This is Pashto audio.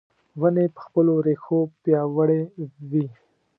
ونې په خپلو رېښو پیاوړې وي .